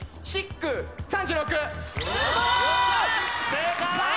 正解！